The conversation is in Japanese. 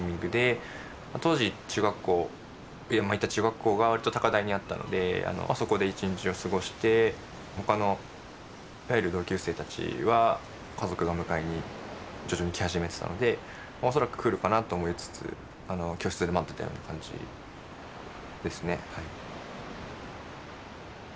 当時中学校中学校がわりと高台にあったのであそこで１日を過ごして他のいわゆる同級生たちは家族が迎えに徐々に来始めてたので恐らく来るかなと思いつつ教室で待ってたような感じですねはい。